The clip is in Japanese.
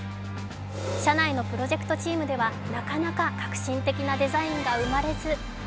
社内のプロジェクトチームではなかなか革新的なデザインが生まれず。